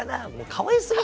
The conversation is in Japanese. かわいすぎ。